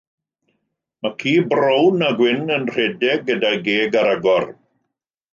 Mae ci brown a gwyn yn rhedeg gyda'i geg ar agor.